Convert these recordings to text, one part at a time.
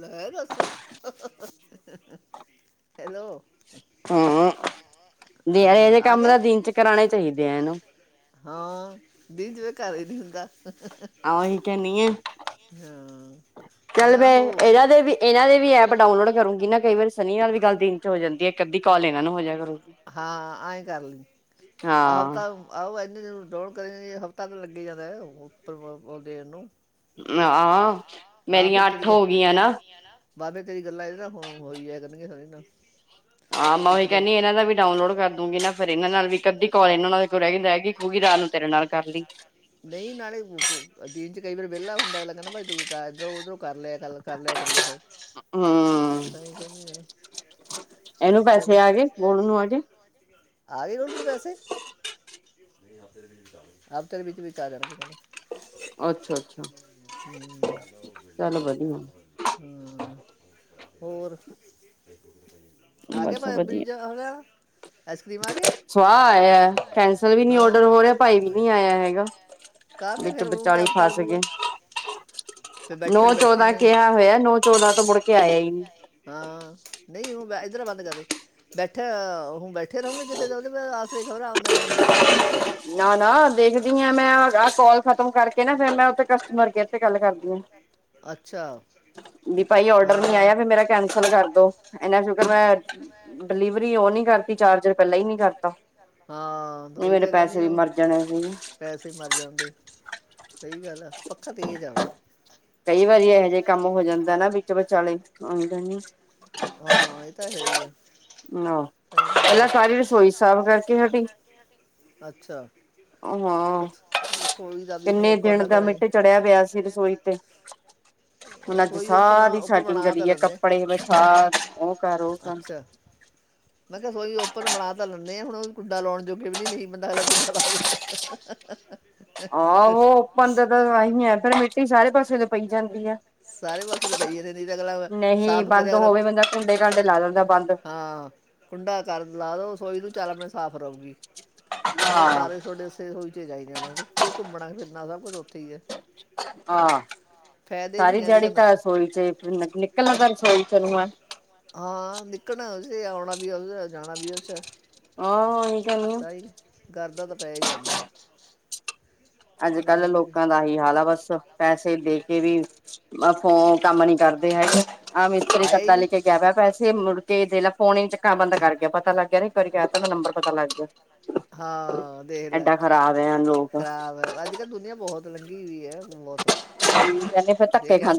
ਲੈ ਦੱਸ। ਹੈਲੋ ਹਾਂ, ਦੇ ਆਏ ਏਦੇ ਕੰਮ ਦਿਨ ਚ ਕਰਾਣੇ ਚਾਈਦੇ ਆ ਏਨੂੰ। ਹਾਂ, ਦਿਨ ਚ ਏ ਘਰ ਈ ਨੀ ਹੁੰਦਾ। ਆਓ ਏ ਕਹਿਣੀ ਆ। ਹਾਂ। ਚੱਲ ਮੈਂ ਏਨਾ ਦੇ ਵੀ, ਏਨਾਂ ਦੇ ਵੀ ਐਪ ਡਾਉਨਲੋਡ ਕਰੂੰਗੀ ਨਾ ਕਈ ਵਾਰੀ ਸਨੀ ਨਾ ਵੀ ਗੱਲ ਦੀ ਹੋ ਜਾਂਦੀ ਆ ਕਦੀ ਕਾਲ ਏਨਾਂ ਨੂੰ ਹੋਜੇਆ ਕਰੂਗੀ। ਹਾਂ ਐ ਕਰ ਲੀ ਐਪ ਤਾਂ ਆਹੋ ਇਨੇ ਦਿਨ ਡਾਓਨ ਕਰੇਗੀ ਹਫ਼ਤਾ ਤਾਂ ਲੱਗੀ ਜਾਂਨਾ ਹਫਤੇ ਬਾਦ ਓ ਦੇਣ ਨੂੰ। ਨਾਂਹ ਮੇਰੀਆਂ ਅੱਠ ਹੋ ਗੀਆਂ ਨਾ। ਬਾਸ ਫੇਰ ਤੇਰੀਆ ਗੱਲਾਂ ਇਹਦੇ ਨਾ ਹੁਣ ਹੋਈ ਜਾਏਆ ਕਰਨਗੀਆਂ ਸਨੀ ਨਾਲ। ਹਾਂ ਮੈਂ ਓਹੀ ਕੈਨੀ ਆ ਏਨਾਂ ਦਾ ਵੀ ਡਾਵਨਲੋਡ ਕਰ ਦੂੰਗੀ ਨਾ, ਫੇਰ ਏਨਾਂ ਨਾਲ ਵੀ ਇੱਕ ਅੱਧੀ ਕੋਲ ਏਨਾਂ ਨਾਲ ਕੋਈ ਰੈਗੀ-ਰੈਗੀ ਕਰੁਗੀ ਰਾਤ ਨੂੰ ਤੇਰੇ ਨਾਲ ਕਰ ਲੀ। ਨਈ ਨਾਲੇ ਦਿਨ 'ਚ ਕਈ ਵਾਰ ਵੇਲਾ ਹੁੰਦਾ ਅਗਲਾ ਕੇਂਦਾ ਮੈਂ ਇੱਧਰੋਂ ਕਰ ਉੱਧਰੋਂ ਕਰ ਲੇ ਗੱਲ ਕਰ ਲਿਆ ਕਰੂਗਾ ਫੇਰ, ਤਾਈ ਕੈਣੀ ਆ। ਓਨੂੰ ਪੈਸੇ ਆ ਗੇ, ਗੋਲੂ ਨੂੰ ਆ ਗਏ? ਆ ਗੇ ਗੋਲੂ ਤੇਰੇ ਪੈਸੇ, ਹਫ਼ਤੇ ਦੇ ਵਿੱਚ-ਵਿੱਚ ਆ ਜਾਣਗੇ ਕੇਂਦਾ। ਹੂੰ। ਹੂੰ ਹੋਰ ਆਗੇ ਭ ਬੀਜਾ ਓਦਾ ਆਈਸਕ੍ਰੀਮ ਆ ਗੇ, ਹਾਂ। ਕਾਹ 'ਤੇ ਫੇਰ ਓਨੂੰ ਕਿਆ ਪਤਾ ਲੱਗੂਗਾ। ਨੌ ਚੌਦਾਂ ਕੇਆ ਹੋਏਆ ਨੌ ਚੌਦਾਂ ਤੋਂ ਮੁੜ ਕੇ ਆਏਆ ਈ ਨੀ। ਹਾਂ ਨਈ ਹੁਣ ਐ ਇੱਧਰ ਬੰਦ ਕਰਦੇ ਬੈਠਾ ਆ ਹੁਣ ਬੈ ਠੇ ਰਹੋਗੇ ਕਿਤੇ ਉਦੇ ਬ ਆਸਰੇ ਖ਼ਬਰਾ ਆਉਂਦਾ ਕੇ ਨੀ ਆਂਦਾ। [inaudible] ਨਾ-ਨਾ ਦੇਖਦੀ ਆ ਮੈਂ ਆ ਕੋਅਲ ਖਤਮ ਕਰਕੇ ਨਾ ਫੇਰ ਮੈਂ ਓਥੇ ਕਸਟਮਰ ਕੇਅਰ 'ਤੇ ਗੱਲ ਕਰਦੀ ਆ। ਅੱਛਾ! ਵੀ ਭਾਈ ਔਰਡਰ ਨੀ ਆਇਆ ਫੇਰ ਮੇਰਾ ਕੈਂਸਲ ਕਰਦੋ, ਐਨਾ ਸ਼ੁਕਰ ਐ ਡਿਲੀਵਰੀ ਓ ਨੀ ਕਰ ਵਈ ਚਾਰਜਰ ਪੇਲਾਂ ਈ- ਨੀ ਕਰਤਾ, ਨਈ ਮੇਰੇ ਪੈਸੇ ਵੀ ਮਰ ਜਾਣੇ ਸੀ। ਪੈਸੇ ਵੀ ਮਰ ਜਾਂਦੇ, ਸਈ ਗੱਲ ਆ, ਪੱਖਾ ਤੇਜ਼ ਆ ਵੇ। ਕਈ ਵਾਰੀ ਐਹੋ -ਜੇਆ ਕੰਮ ਹੋ ਜਾਂਦਾ ਨਾ ਵਿੱਚ ਵਿਚਾਲੇ ਆਂਦਾ ਨੀ‌ ਆ। ਹਾ ਏ ਤਾਂ ਹੈ ਈ ਆ। ਨਾ, ਪੇਲਾ ਸਾਰੀ ਰਸੋਈ ਸਾਫ਼ ਕਰਕੇ ਹਟੀ ਅੱਛਾ! ਹਾਂ ਕਿੰਨੇ ਦਿਨ ਦਾ ਮਿੱਟ ਚੜ੍ਹੇਆ ਪੇਆ ਸੀ ਰਸੋਈ 'ਤੇ ਹੁਣ ਅੱਜ ਸਾਰੀ ਸੈਟਿੰਗ ਕਰੀ ਆ, ਕੱਪੜੇ ਬਛਾ ਓ ਕਰ, ਓ ਕਰ। [inaudible] ਮੈਂ ਕੇਆ ਰਸੋਈ ਓਪਨ ਬਣਾ ਤਾਂ ਲੀਨੇ ਆ ਹੁਣ ਕੁੰਡਾ ਲਾਣ ਜੋਗੇ ਵੀ ਨੀ ਨਈ ਰਹੀ ਬੰਦਾ ਅਗਲਾ ਕੁੰਡਾ ਲਾ ਦਿੰਦਾ। ਆਹੋ ਓਪਨ ਦਾ ਤਾਂ ਅਹੀ ਐ ਫੇਰ ਮਿੱਟੀ ਸਾਰੇ ਪਾਸੇ ਤੇ ਪਈ ਜਾਂਦੀ ਐ। ਸਾਰੇ ਪਾਸੇ ਤੇ ਪਈ ਜਾਂਦੀ ਨਈ ਤਾਂ ਅਗਲਾ ਸਾਫ ਕਰੇ ਅਗਲਾ ਬੰਦ ਹੋਵੇ ਤਾਂ ਮਿਟੀ ਕਟ [unintelligible] ਹਾਂ। ਕੁੰਡਾ ਚਾਰੋ ਲਾ ਦੋ ਰਸੋਈ ਨੂੰ ਚੱਲ ਆਪਣੇ ਸਾਫ਼ ਰਹੂਗੀ, ਹੁਣ ਓ ਸਾਰੇ ਥੋਡੇ ਤੇ ਰਹੋਈ ਚ ਜਾਈ ਜਾਣਾ ਕਿਉਂਕਿ ਘੁੰਮਨਾ-ਫਿਰਨਾ ਸਭ ਕੁਛ ਓਥੇ ਈ ਐ। ਹਾਂ। ਸਾਰੀ ਦਿਆੜੀ ਤਾਂ ਰਸੋਈ ਚ ਨਿਕਲਣਾ ਤਾਂ ਰਸੋਈ ਚੋ ਨੂੰ ਐ। ਹਾਂ ਨਿਕਲਣਾ ਉਸੇ ਐ ਆਣਾ ਵੀ ਉਸ ਐ ਜਾਣਾ ਵੀ ਉਸ ਐ। ਆਹ ਔਈ ਹੈਣੀ ਆਂ। ਕਾਰਦਾਂ ਤਾਂ ਪੈ ਈ ਜਾਂਦਾ। ਅੱਜ-ਕੱਲ ਲੋਕਾਂ ਦਾ ਐਹੀ ਹਾਲ ਆ ਬਸ ਪੈਸੇ ਦੇ ਕੇ ਵੀ ਫੋ ਕੰਮ ਨੀ ਕਰਦੇ ਹੈਗੇ ਆਹ ਮਿਸਤਰੀ ਸਦਾ ਲੈ ਕੇ ਗਯਾ ਪਯਾ ਪੈਸੇ ਮੁੜਕੇ ਦੇਖ ਲੈ ਫੋਨ ਈ ਨੀ ਚੱਕਣਾ ਬੰਦ ਕਰ ਗਯਾ ਪਤਾ ਲੱਗ ਗਯਾ ਨਾ ਇਕ ਵਾਰੀ ਕੈਤਾ ਤੇ ਨੰਬਰ ਪਤਾ ਲੱਗ ਗਯਾ। ਹਾਂ ਦੇਖ ਲੈ, ਖਰਾਬ ਅੱਜ-ਕੱਲ ਦੁਨੀਆਂ ਬੋਹਤ ਲੱਗੀ ਹੋਈ ਐ ਬੋਤ ਜੇ ਕੈ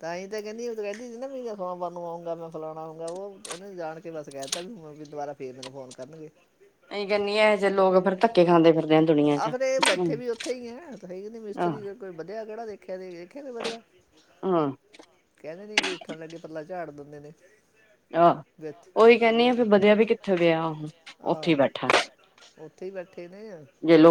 ਤਾਂਹੀ ਤਾਂ ਕੈਂਦੀ ਓ ਕਹਿੰਦੀ ਸੀ ਸੋਮਵਾਰ ਨੂੰ ਆਉਂਗਾ ਮੈਂ ਫਲਾਣਾ ਆਊਂਂਗਾ ਓ ਓਨੇ ਜਾਣ ਕੇ ਬਸ ਕੈਤਾ ਵੀ ਹੁਣ ਵੀ ਦੋਬਾਰਾ ਫੇਰ ਮੇਨੂੰ ਫੋਨ ਕਰਨਗੇ। ਏਈ ਕੈਣੀ ਆ ਐਹੋ ਜੇ ਲੋਕ ਫੇਰ ਧੱਕੇ ਖਾਂਦੇ ਨੇ। ਆਖਦੇ ਬੈਠੇ ਵੀ ਓਥੇ ਈ ਐ ਹਰ ਏਕ ਨੇ ਮਿਸਤਰੀ ਕੋਈ ਵਧੀਆ ਕੇੜਾ ਦੇਖਿਆ ਤੇ ਦੇਖਿਆ ਕੋਈ ਵਧੀਆ? ਹੂੰ। ਕੈੰਦੇ ਨੇ ਵੀ ਉਠਣ ਲੱਗੇ ਪੱਲਾ ਝਾੜ ਦਿੰਦੇ ਨੇ। ਵੇਚ ਓ ਆਹ ਓਥੇ ਈ ਬੈਠੇ ਨੇ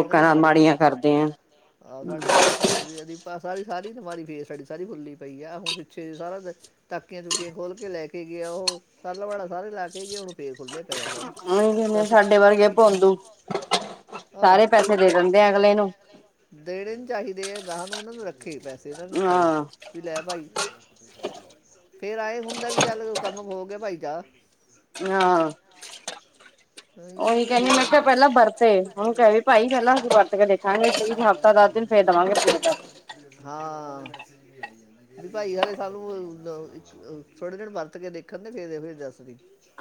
ਏਨਾਂ ਦੀ ਮਾੜੀ ਹਰਕਤਾਂ ਮਾੜੀਆਂ ਕਾਰਦੇ ਆਂ ਸਾਡਾ ਹੁਣ ਸਾਰਾ-ਸਾਰੀ-ਸਾਰੀ ਅਲਮਾਰੀ ਫੇਸ ਸਾਡੀ ਸਾਰੀ ਫੁੱਲੀ ਪਈ ਆ ਹੁਣ ਪਿੱਛੇ ਜ ਸਾਰਾ ਦੇ ਤਾਕੇ ਤੁਕੇ ਖੋਲ ਕੇ ਲੈ ਕੇ ਗਯਾ ਓ ਸੱਲ ਵਾਲਾ ਸਾਰੇ ਲਾ ਕੇ ਗੇ ਓ। ਪੇ ਖੁੱਲ੍ਹੇ ਪਏ ਆ ਸਾਰੇ ਦੱਸ ਸਾਰੇ ਪੈਸੇ ਦੇ ਜਾਂਦੇ ਆ ਅਗਲੇ ਨੂੰ। ਦੇਣੇ ਨੀ ਚਾਇਦੇ ਐ ਗਾਹਕ ਨੂੰ ਏਨਾਂ ਨੂੰ ਰੱਖੇ ਪੈਸੇ ਏਨਾਂ ਨੇ ਸਾਰੇ ਵੀ ਲੈ ਭਾਈ। ਫੇਰ ਏਯਂ ਹੁੰਦਾ ਵੀ ਚੱਲ ਕੰਮ ਹੋ ਗਿਆ ਪਾਈ ਜਾ। ਹਾਂ। ਓਈ ਕੈਣੀ ਮੈਂ ਕੇਆ ਪੈਲਾਂ ਵਰਤੇ ਓਨੂੰ ਕੈ ਵੀ ਭਾਈ ਪੈਲਾਂ ਅਸੀਂ ਵਰਤ ਕੇ ਦੇਖਾਂਗੇ ਹਫ਼ਤਾ ਦਸ ਦਿਨ ਫੇਰ ਦਵਾਂਗੇ ਪੇਂਮਟ। ਹਾਂ। ਵੀ ਪਾਈ ਹੱਲੇ ਏ ਸਾਨੂੰ ਥੋੜੇ ਦਿਨ ਵਰਤ ਕੇ ਦੇਖਣ ਦੇ ਫਿਰ ਦੇਵਾਗੇ ਜੱਸਦੀ।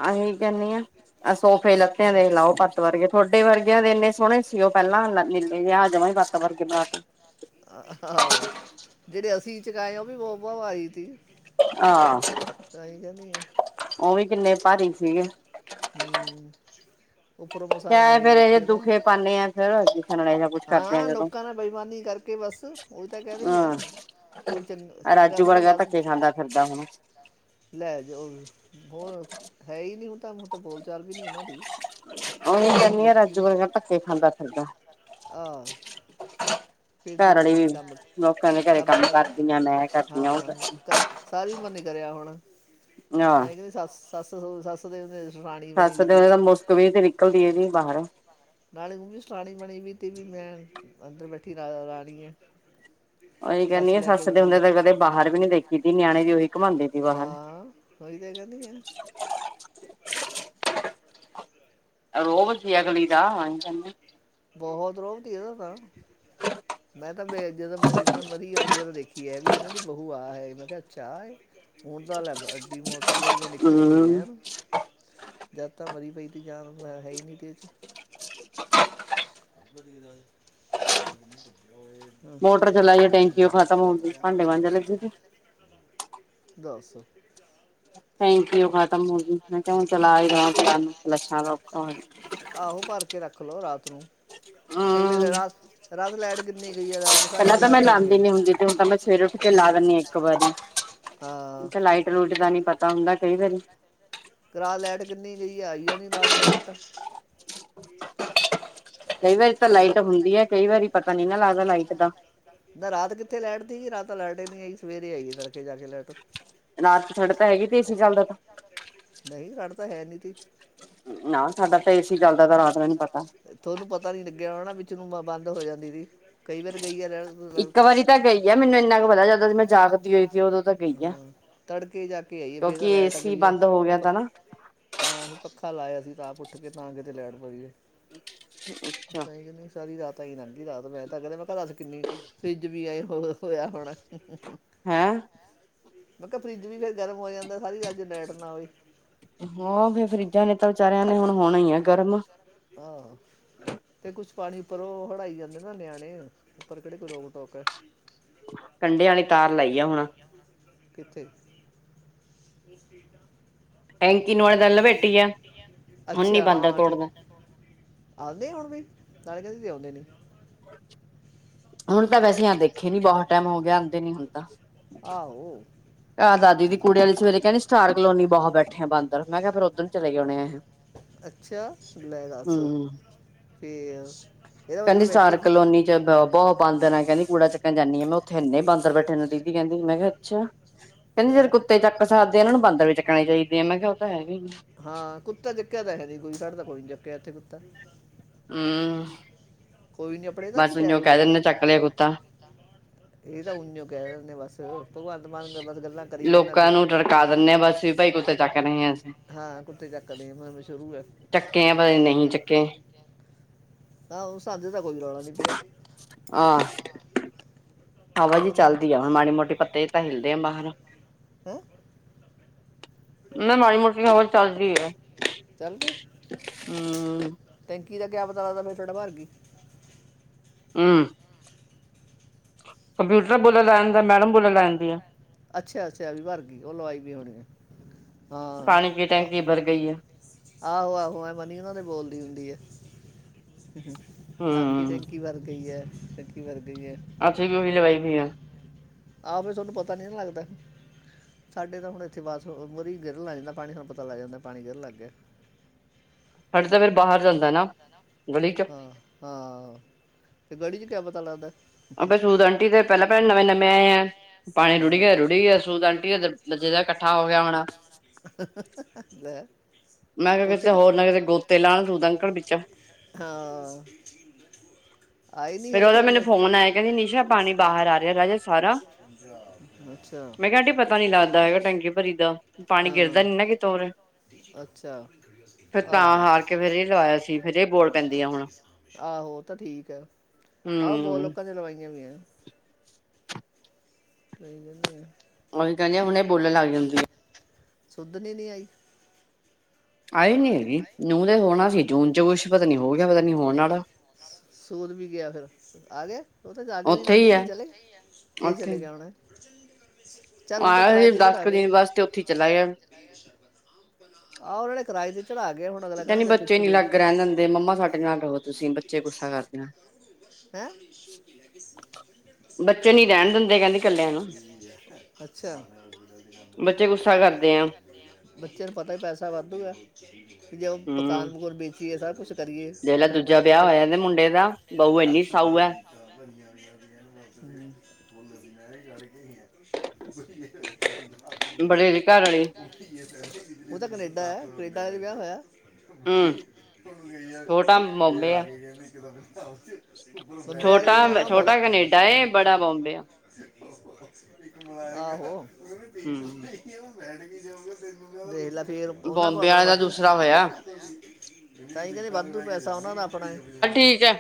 ਆਹੀ ਕੈਨੀ ਆ। ਆਹ ਸੋਫੇ ਲੱਥੇ ਦੇਖਆਂ ਦੇ ਲਾਓ ਪੱਤ ਵਰਗੇ ਤੁਆਡੇ ਵਰਗਿਆਂ ਦੇ ਏਨੇ ਸੋਹਣੇ ਸੀ ਓ ਪੈਲਾਂ ਲਗੇ ਐ ਜਮਾਂ ਈ ਪੱਤ ਵਰਗੇ। ਏ ਬਾਟ ਆਹੋ ਜੇੜੇ ਅਸੀਂ ਚੁਕਾਏ ਓ ਵੀ ਬੋ-ਬੋ ਆਈ ਥੀ। ਆਹ ਓ ਵੀ ਕਿੰਨੇ ਪਾਰੀ ਸੀਗੇ। ਹੂੰ ਛ। ਉੱਪਰੋਂ ਮਸਾਲਾ ਅ ਲੱਖੀ ਨਾ, ਹਾਂ ਲੋਕਾਂ ਨਾਲ ਬੇਈਮਾਨੀ ਕਰ ਕੇ ਬਸ ਓ ਤਾਂ ਕੈਦਾ ਈ ਐ ਕੋਈੰ ਚੰਗਾ-ਚੰਗਾ ਥੋੜ੍ਹਾ ਬਾਦ ਲੈਜੋ ਹੋਰ ਹੈ ਈ ਨੀ ਹੁਣ ਤਾਂ ਹੁਣ ਤਾਂ ਬੋਲ-ਚਾਲ ਵੀ ਨੀ ਓਨਾਂ ਦੀ। ਓਵੇਂ ਈ ਕੈਨੀ ਆ ਰਾਜੂ ਵਰਗਾ ਧੱਕੇ ਖਾਂਦਾ ਫਿਰਦਾ। ਆ ਫਿਰ ਦਿੰਦੀ ਵੀ ਕੰਮ, ਕੰਮ ਕੱਲ, ਹਾਂ ਕਦੇ ਸਾਰੀ ਉਮਰ ਨੀ ਕਰਿਆ ਹੁਣ ਤਾਈਂ ਕੈਂਦੀ ਸੱਸ, ਸੱਸ ਸੱਸ ਦੇ [unintelligible] ਤੇ ਜੇਠਾਣੀ ਸੱਸ ਤੇ ਓਦਾ ਮੁਸਕ ਵੀ ਤੇ ਨਿਕਲਦੀ [unintelligible] ਬਾਹਰ। ਨਾਲੇ ਓ ਵੀ ਸੁਣਾਣੀ ਬਣੀ ਵੀਤੀ ਕੀ ਮੈਂ ਅੰਦਰ ਬੈਠੀ ਰ ਰਾਣੀ ਐ। ਓਹੀ ਕੈਨੀ ਆ ਸੱਸ ਦੇ ਹੁੰਦੇ ਤਾਂ ਕਦੇ ਬਾਹਰ ਵੀ ਨੀ ਦੇਖੀ ਤੀ ਨਿਆਣੇ ਵੀ ਓਹੀ ਘੁਮਾਂਦੀ ਸੀ ਬਾਹਰ। ਓਈ ਤੇ ਕੈਨੀ ਆ। ਰੋਬ ਸੀ ਅਗਲੀ ਬੋਹਤ ਰੋਬ ਤੀ ਓਦਾਂ ਤਾਂ। ਮੈਂ ਤਾਂ [unintelligible] ਜਦੋਂ ਜਿ ਦਿਨ ਮਰੀ ਏ [unintelligible] ਦੇਖੀ ਐ ਵੀ। ਕੈਂਦੀ ਬਹੁ ਆਹ ਏ, ਮੈਂ ਕਿਆ ਅੱਛਾ ਆ ਏ। ਹੁਣ ਜਾ ਲਬ ਅਡੀ ਮੋਟੀ ਹੋਈ ਵੇ ਨਿਖਰੀ ਪਈ ਐਨ। ਜਦ ਤਾਂ ਮਰੀ ਪਈ ਤੇ ਜਾਨ ਆ ਹੈ ਈ ਨੀ ਇਦੇ ਚ। [unintelligible] ਮੋਟਰ ਚਲਾਈਏ ਟੈਂਕੀਔ ਖਤਮ ਹੋਗੀ ਭਾਂਡੇ ਮਾਂਜਣ ਲੱਗੀ ਸੀ। ਦੱਸ। ਟੈੰਕੀਔ ਖਤਮ ਹੋਗੀ ਮੈਂ ਕਿਆ ਹੁਨ ਚਲਾ ਈ ਦਵਾ ਹੁਣ‌ ਚਲਾਣ ਨੂ ਲਸਾਂ ਦਾ ਔਖਾ ਹੋਨ ਆਹੋ, ਭਰ ਕੇ ਰੱਖ ਲੋ ਰਾਤ ਨੂੰ। ਹਾਂ। ਕਈ ਵੇਲੇ ਰਾਤ, ਰਾਤ ਲੈਟ ਕਿੰਨੀ ਗਈ ਐ ਸਾਰੀ ਰਾਤ ਲੈਟ ਈ ਨੀ ਆਈ। ਫਿਰ ਉੱਠ ਕੇ ਲਾ ਦਿੰਨੀ ਆਂ ਇੱਕ ਵਾਰੀ। ਹਾਂ। ਰੂਟ ਦਾ ਨੀ ਪਤਾ ਹੁੰਦਾ ਕਈ ਵਾਰੀ। ਰਾਤ ਲੈਟ ਕਿੰਨੀ ਗਈ ਐ, ਆਈਓ ਨੀ ਰਾਤ ਲੈਟ ਤਾਂ। ਕਈ ਵਾਰੀ ਤਾਂ ਲਾਈਟ ਹੁੰਦੀ ਐ ਕਈ ਵਾਰੀ ਪਤਾ ਨੀ ਨਾ ਲੱਗਦਾ ਲਾਈਟ ਦਾ। ਨਾ ਰਾਤ ਕਿੱਥੇ ਲੈਟ ਤੀ ਰਾਤ ਤਾਂ ਲੈਟ ਈ ਨੀ ਆਈ ਸਵੇਰੇ ਆਈ ਏ ਤੜਕੇ ਜਾ ਕੇ ਲੈਟ। ਰਾਤ ਸਾਡੀ ਤਾਂ ਹੈਗੀ ਸੀ ਏਸੀ ਚੱਲ ਦਾ ਤਾ। ਨਈ ਸਾਡੀ ਤਾਂ ਹੈ ਨੀ ਥੀ। ਨਾ ਸਾਡਾ ਤਾਂ ਏਸੀ ਚਲਦਾ ਤਾਂ ਰਾਤ ਦਾ ਮੈਨੂੰ ਪਤਾ। ਥੋਨੂੰ ਪਤਾ ਨੀ ਲੱਗਿਆ ਹੋਨਾ ਵਿੱਚ ਨੂੰ ਬੰਦ ਹੋ ਜਾਂਦੀ ਤੀ ਕਈ ਵਾਰ ਗਈ ਐ ਲੈਟ ਇੱਕ ਵਾਰੀ ਤਾਂ ਗਈ ਐ, ਮੈਨੂੰ ਇੰਨਾ ਕੁ ਪਤਾ ਜਦੋਂ ਦੀ ਮੈਂ ਜਾਗਦੀ ਹੋਈ ਥੀ ਓਦੋਂ ਤਾਂ ਗਈ ਐ। ਤੜਕੇ ਜਾ ਕੇ ਆਈ ਐ ਫੇਰ ਤਾਂ ਲੈਟ ਗਈ ਐ [unintelligible] ਹਾਂ ਮੈਂ ਪੱਖਾ ਲਾਇਆ ਸੀ ਆਪ ਉੱਠ ਕੇ ਤਾਂ ਕਿਤੇ ਲੈਟ ਪਈਏ, ਤਾਈਂ ਕੈਨੀ ਆਂ ਸਾਰੀ ਰਾਤ ਆਈ ਲੰਘਗੀ ਰਾਤ ਮੈਂ ਤਾਂ ਕਦੇ ਮੈਂ ਤਾਂ ਦਸੱ ਕਿੰਨੀ ਫਰਿੱਜ ਵੀ ਆਏ ਹੋ ਹੋਇਆ ਹੋਣਾ ਮੈਂ ਕੇਆ ਫਰਿੱਜ ਵੀ ਫੇਰ ਗਰਮ ਹੋ ਜਾਂਦੈ, ਸਾਰੀ ਰਾਤ ਜੇ ਲੈਟ ਨਾ ਆਵੇ। ਹਾਂ ਫੇਰ ਫਰਿਜਾਂ ਨੇ ਤਾਂ ਵਿਚਾਰਿਆਂ ਨੇ ਹੁਣ ਹੋਣਾ ਈ ਐ ਗਰਮ। ਆ। ਤੇ ਕੁਛ ਪਾਣੀ ਉੱਪਰ ਓ ਹੜਾਈ ਜਾਂਦੇ ਨਾ ਨਿਆਣੇ ਉੱਪਰ ਕੇੜੀ ਕੋਈ ਰੋਕ-ਟੋਕ ਏ। ਕੰਢੇ ਆਲੀ ਤਾਰ ਲਾਈ ਏ ਹੁਣ। ਕਿੱਥੇ? ਅੱਛਾ ਹਾਂ, ਠ ਆੰਦੇ ਐ ਹੁਣ ਵੀ, ਨਾਲੇ ਕੈੰਦੇ ਤੇ ਆਉਂਦੇ ਨੀ। ਹੁਣ ਤਾਂ ਵੈਸੇ ਆਂ ਦੇਖੇ ਨੀ ਬੋਹਤ ਟੈਮ ਹੋ ਗਯਾ ਆਂਦੇ ਨੀ ਹੁਣ ਤਾਂ। ਆਔ ਕਯਾ ਦਾਦੀ ਦੀ ਕੁੜੇ ਆਲੀ ਸਵੇਰੇ ਕੈੰਦੀ ਸਟਾਰ ਕਲੋਨੀ ਬੋਹੋ ਬੈਠੇ ਆ ਬਾਂਦਰ ਮੈਂ ਕਿਆ ਫੇਰ ਓਦਰ ਚਲੇਗੇ ਹੋਣੇ ਏਹੈ। ਅੱਛਾ, ਲੈ ਦੱਸ। ਤੇ ਏਹਦਾ ਮਤਲਬ ਏਥੇ ਹੀ ਕੂੜਾ ਚੱਕਨ ਜਾਂਨੀ ਆ ਮੈਂ ਓਥੇ ਇਨੇ ਬਾਂਦਰ ਬੈੇਠੇ ਨੇ ਦੀਦੀ ਕੈੰਦੀ ਮੈਂ ਕਆ ਅੱਛਾ। ਕੈੰਦੀ ਜਦੋ ਕੁੱਤੇ ਚੱਕ ਸਕਦੇ ਆ ਏਹਨਾ ਨੂੰ ਬਾਂਦਰ ਵੀ ਚੱਕਣੇ ਚਾਈ ਦੇ ਐ, ਮੈਂ ਕਿਆ ਓ ਤਾ ਹੈ ਈ ਨੀ। ਹਾਂ, ਕੁੱਤਾ ਚੱਕਿਆ ਤਾ ਹੈਨੀ ਕੋਈ ਸਾਡੇ ਤਾ ਕੋਈ ਨੀ ਚੱਕਿਆ ਐਥੇ ਕੁੱਤਾ। ਹੂੰ, ਬਸ ਉੰਜੋ ਕੈ ਦਿੰਦੇ ਚੱਕ ਲੇ ਕੁੱਤਾ। ਏ ਤਾ ਉੰਜੋ ਕੈ ਦਿੰਦੇ ਬਸ। ਅ ਭਗਵੰਤ ਮਾਨ ਗੱਲਾ ਤੇ ਗੱਲਾ ਕਰੀ ਜਾਂਦਾ ਐ ਹਾਂ ਕੁੱਤੇ ਚੱਕਦੇ ਆ ਮਤਲਬ ਸ਼ੁਰੂ ਐ। ਚੱਕੇ ਐ, ਪਰ ਇੰਨੇ ਨੀ ਚੱਕੇ। ਨਾ ਓ ਸਾਦੇ ਤਾ ਕੋਈ ਰੌਲਾ ਨੀ ਪਿਆ। ਆਹ ਹਵਾ ਜੀ ਚੱਲਦੀ ਆ ਮਾੜੀ ਮੋਟੇ ਪੱਤੇ ਤਾ ਹਿਲਦੇ ਆ ਬਾਰ। ਹੇ ਨਾ ਮਾੜੀ ਮੋਟੀ ਹਵਾ ਚੱਲਦੀ ਐ ਹੂੰ। ਟੈਂਕੀ ਦਾ ਕਆ ਪਤਾ [inaudible] ਭਰ ਗੀ। ਹੂੰ। ਕੰਪਊਟਰ ਬੋਲਾ ਲੇਂਦਾ ਮੈਡਮ ਬੋਲਾ ਲੈਂ ਅੱਛਾ ਅੱਛਾ ਵੀ ਵਰ ਗੀ ਓ ਲਵਾਈ ਵੀ ਹੋਣੀ ਐ। ਹਾਂ। ਆਹੋ ਆਹੋ ਐ ਬਨੀ ਓਨਾਂ ਦੇ ਬੋਲਦੀ ਹੁੰਦੀ ਐ ਕਿ ਟੈਂਕੀ ਵਰ ਗਈ ਐ ਟੈਂਕੀ ਵਰ ਗਈ ਐ। [inaudible] ਆ ਬਸ ਓਨੂੰ ਪਤਾ ਨੀ ਲੱਗਦਾ। ਸਾਡੇ ਤਾ ਹੁਣ ਇੱਥੇ ਬਸ ਵਰੀ ਗਿਰਨ ਲਗ ਜਾਂਦਾ ਪਾਣੀ ਸਾਨੂੰ ਪਤਾ ਲੱਗ ਜਾਂਦਾ ਪਾਣੀ ਗਿਰਨ ਲੱਗ ਗਆ। ਸਾਡੇ ਤਾ ਫੇਰ ਬਾਹਾਰ ਜਾਂਦਾ ਨਾ ਗਲੀ ਚ। ਹਾਂ ਤੇ ਗਲੀ ਚ ਕਆ ਪਤਾ ਲੱਗਦਾ ਐ? ਅਬੇ ਸੂਜ ਆੰਟੀ ਤੇ ਪੇਲਾ ਭੈਨ ਨਵੇ ਨਵੇ ਆਏ ਆਂ ਪਾਣੀ ਰੁੜੀ ਗਆ ਰੁੜੀ ਗਆ ਸੂਦ ਆਂਟੀ ਦਜੇ ਦਾ ਕੱਠਾ ਹੋ ਗਆ ਹੋਣਾ। [unintelligible] ਮੈਂ ਕਯਾ ਕਿਤੇ ਹੋਰ ਨਾ ਕਿਤੇ ਗੋਤੇ ਲਾਨ ਸੂਦ ਅੰਕਲ ਪਿੱਛੇ। ਹਾਂ। ਫੇਰ ਓਦਾ ਮੈਨੂੰ ਫੋਨ ਆਆ ਕੇਂਦੀ ਨਿਸ਼ਾ ਪਾਨੀ ਬਾਹਾਰ ਆ ਰਯਾ ਰਾਜਾ ਸਾਰਾ। ਮੈਂ ਕਆ ਆੰਟੀ ਪਤਾ ਨੀ ਲੱਗਦਾ ਹੈਗਾ ਟੈਂਕਿ ਭਰੀ ਦਾ ਪਾਣੀ ਗਿਰਦਾ ਨੀ ਨਾ ਕਿਤੇ ਔਰ। ਅੱਛਾ। ਫਿਰ ਤਾਂ ਹਾਰ ਕੇ ਫੇਰ ਏ ਲਵਾਆ ਸੀ ਫੇਰ ਏ ਬੋਲ ਪੈਂਦੀ ਆ ਹੁਣ। ਆਹੋ ਓ ਤਾ ਠੀਕ ਐ। ਆ ਬੋ ਲੋਕਾ ਨੇ ਲਵਾਈਆ ਵੀ ਐ। ਲੇ ਜਾਂਦੇ ਆ। ਓਂਜ ਕੇਂਦੇ ਹੁਣੇ ਬੋਲਣ ਲੱਗ ਸੁੱਧਨੀ ਨੀ ਆਈ? ਆਈ ਨੀ ਹੈਗੀ ਨੂੰ ਦੇ ਹੋਣਾ ਸੀ ਜੂਨ ਚ ਕੁਛ ਪਤਾ ਨੀ ਹੋ ਗਿਆ ਪਤਾ ਨੀ ਹੋਣ ਆਲਾ। ਸੂਦ ਵੀ ਗਆ ਫੇਰ ਆ ਗਿਆ ਓ ਤੇ ਆ ਗਆ ਸੀ ਨਾਲੇ ਕੇਂਦੀ ਚਲੇ ਫੇਰ ਚਲੇ ਗਆ ਹੋਣਾ ਐ। [unintelligible] ਆਇਆ ਸੀ ਦਸ ਕੁ ਦਿਨ ਵਾਸਤੇ ਓਥੇ ਹੀ ਚਲਾ ਗਆ। ਆਹੋ ਉਨਾਂ ਨੇ ਕਿਰਾਏ ਤੇ ਚੜਾ ਗਿਆ। ਹੁਨ ਅਗਲਾ ਕਹਨਾ ਜਾਂ ਪਿੱਛੋਂ ਵੀਰ ਤੇ ਮੰਮਾ ਸਾਡੇ ਨਾਲ ਰਹੋ ਤੁਸੀਂ ਬੱਚੇ ਗੁੱਸਾ ਕਰਦੇਨੇ। ਹੈਂ। ਬੱਚੇ ਨੀ ਰੈ ਸਕਦੇ ਕੈਦੈ ਅੱਛਾ। ਬੱਚਿਆਂ ਨੂੰ ਪਤਾ ਹੀ ਪੈਸਾ ਵਾਧੂ ਹੈ। ਕਿ ਜੇ ਉਹ ਮਕਾਨ ਮਕੂਨ ਵੇਚੀਏ ਸਭ ਕੁਛ ਕਰੀਏ ਅਪਨੇ ਅਪਨੇ ਹੱਥ ਚ ਬੋਲੋ ਜੀ ਮੈਂ ਈ ਡਰ ਗਈ ਆਂ। [unintelligible] ਔਹ ਤਾਂ ਕਨੇਡਾ ਹੈ ਕਨੇਡਾ ਚ ਵਿਆਹ ਹੋਇਆ। [inaudible] ਬੜੇ ਵਾਲੇ ਆਨਾ ਬੜਾ ਆਹੋ। ਦੇਖ ਲੇ ਫੇਰ ਉਨਾਂ ਕੋਲ ਅਪਨਾ ਵਾਧੂ ਤਾਂਹੀ ਕੈਂਦੇ ਵਾਧੂ ਪੈਸਾ ਉਨਾਂ ਦਾ ਅਪਨਾ ਏ। ਅਹ ਠੀਕ ਐ।